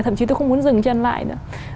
thậm chí tôi không muốn dừng chân lại nữa